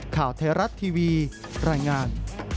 ข่าวไทยรัฐทีวีรายงาน